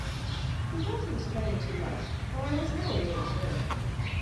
He felt he was playing too much, though I was never really sure.